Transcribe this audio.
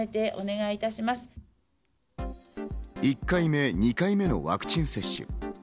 １回目、２回目のワクチン接種。